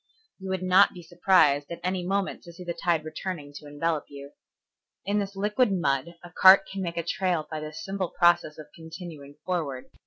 You would not be surprised at any moment to see the tide returning to envelop you. In this liquid mud a cart can make a trail by the simple process of continuing forward.